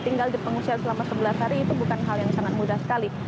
tinggal di pengungsian selama sebelas hari itu bukan hal yang sangat mudah sekali